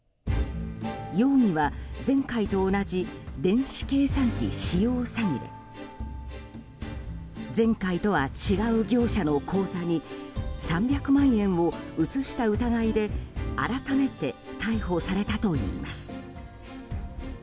容疑は前回と同じ電子計算機使用詐欺で前回とは違う業者の口座に３００万円を移した疑いで改めて逮捕されたといいます。